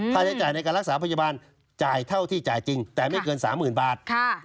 ใช้จ่ายในการรักษาพยาบาลจ่ายเท่าที่จ่ายจริงแต่ไม่เกิน๓๐๐๐บาท